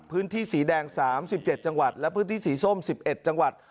พื้นที่สีแดง๓๗จังหวัดและพื้นที่สีส้ม๑๑จังหวัด